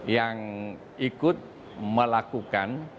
yang ikut melakukan